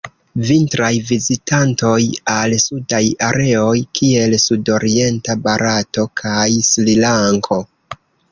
Vintraj vizitantoj al sudaj areoj kiel sudorienta Barato kaj Srilanko.